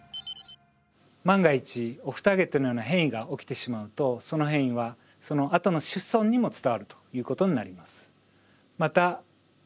万が一オフターゲットのような変異が起きてしまうとその変異はそのあとの子孫にも伝わるということになります。